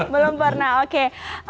belum pernah oke